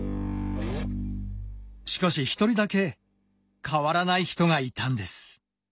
しかし１人だけ変わらない人がいたんです。